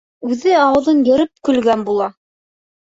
Үҙе ауыҙын йырып көлгән була.